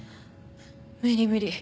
無理無理。